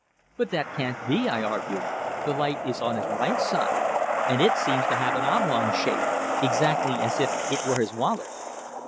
"But that can't be!" I argued. "The light is on his right side; and it seems to have an oblong shape exactly as if it were his wallet."